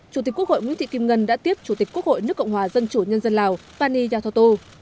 chủ tịch quốc hội nguyễn thị kim ngân đã tiếp chủ tịch quốc hội nước cộng hòa dân chủ nhân dân lào pani yathotu